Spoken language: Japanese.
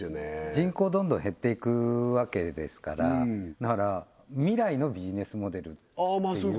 人口どんどん減っていくわけですからだから未来のビジネスモデルっていう